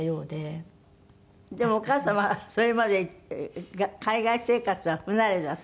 でもお母様はそれまで海外生活は不慣れだった？